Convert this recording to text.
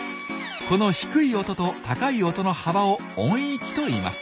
この低い音と高い音の幅を「音域」といいます。